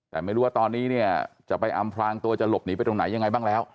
แต่ไม่รู้ว่าตอนนี้เนี่ยจะไปอำพลางตัวจะหลบหนีไปตรงไหนยังไงบ้างแล้ว